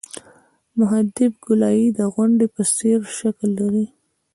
محدب ګولایي د غونډۍ په څېر شکل لري